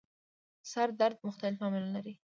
سر درد مختلف لاملونه لري